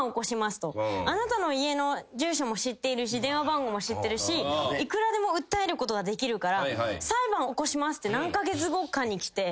「あなたの家の住所も知ってるし電話番号も知ってるしいくらでも訴えることができるから裁判起こします」って何カ月後かに来て。